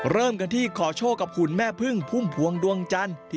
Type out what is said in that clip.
เริ่มกันที่ขอโชคกับคุณแม่พึ่งพุ่มพวงดวงจันทร์